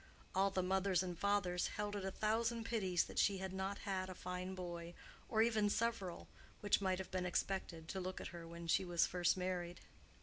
All the mothers and fathers held it a thousand pities that she had not had a fine boy, or even several—which might have been expected, to look at her when she was first married.